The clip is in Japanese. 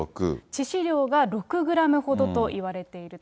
致死量が６グラムほどといわれていると。